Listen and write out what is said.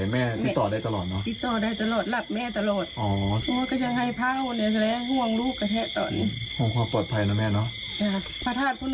กักชั่วโมงเหรอครับ